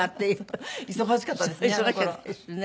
忙しかったですね。